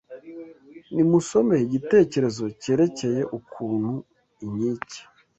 Nimusome igitekerezo cyerekeye ukuntu inkike